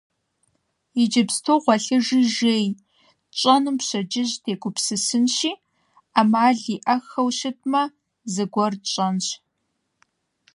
Иджыпсту гъуэлъыжи жей, тщӀэнум пщэдджыжь дегупсысынщи, Ӏэмал иӀэххэу щытмэ, зыгуэр тщӀэнщ.